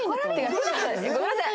ごめんなさい。